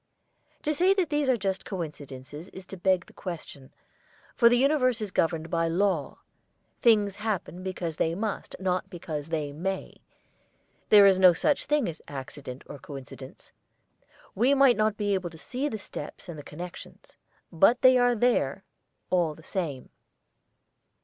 To say that these are just coincidences is to beg the question. For the universe is governed by law. Things happen because they must, not because they may. There is no such thing as accident or coincidence. We may not be able to see the steps and the connections. But they are there all the same.